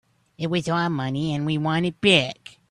It was our money and we want it back.